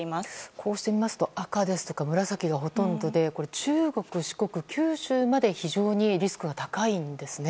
こうして見ますと赤や紫がほとんどで中国、四国、九州まで非常にリスクが高いんですね。